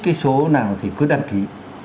cái số nào thì cứ đăng ký